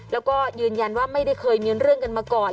แล้วก็ยืนยันว่าไม่ได้เคยมีเรื่องกันมาก่อน